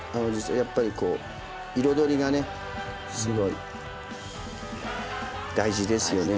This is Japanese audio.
やっぱりこう彩りがねすごい大事ですよね